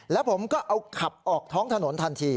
แล้วผมก็เอาขับออกท้องถนนทันที